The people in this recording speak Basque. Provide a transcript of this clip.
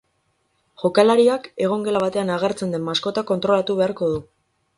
Jokalariak egongela batean agertzen den maskota kontrolatu beharko du.